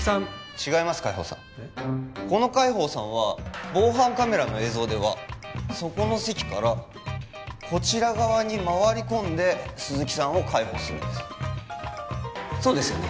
この介抱さんは防犯カメラの映像ではそこの席からこちら側に回り込んで鈴木さんを介抱するんですそうですよね？